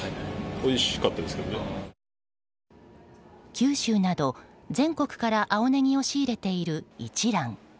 九州など、全国から青ネギを仕入れている一蘭。